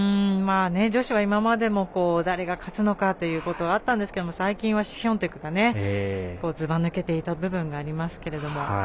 女子は今までも誰が勝つのかっていうことあったんですけど最近はシフィオンテクがずばぬけていた部分がありますけど。